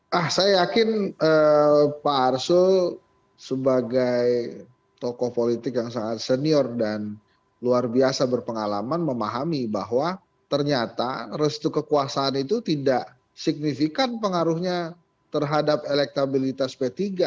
nah saya yakin pak arsul sebagai tokoh politik yang sangat senior dan luar biasa berpengalaman memahami bahwa ternyata restu kekuasaan itu tidak signifikan pengaruhnya terhadap elektabilitas p tiga